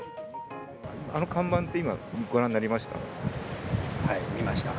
あの看板って、今、ご覧になりました？